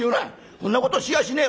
そんなことしやしねえ！」。